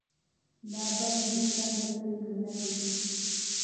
دا بڼې د سمې پرېکړې نښې دي.